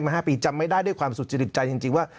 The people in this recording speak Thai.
๕ปีจำไม่ได้ด้วยความสุจริตใจจริงว่า